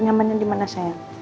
nyamannya dimana sayang